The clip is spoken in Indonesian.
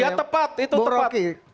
ya tepat itu tepat